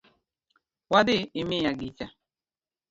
Wadhi imiya gicha